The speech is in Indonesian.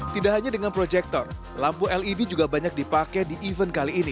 tidak hanya dengan proyektor lampu led juga banyak dipakai di event kali ini